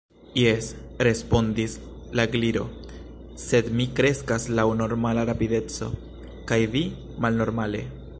"Jes," respondis la Gliro. "Sed mi kreskas laŭ normala rapideco, kaj vi malnormale!"